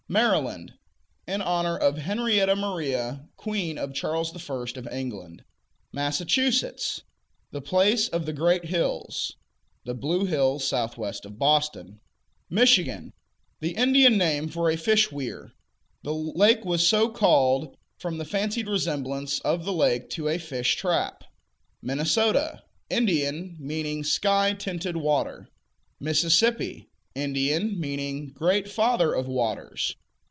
Maryland In honor of Henrietta Maria, queen of Charles I. of England. Massachusetts The place of the great hills (the blue hills southwest of Boston). Michigan The Indian name for a fish weir. The lake was so called from the fancied resemblance of the lake to a fish trap. Minnesota Indian; meaning "sky tinted water." Mississippi Indian; meaning "great father of waters."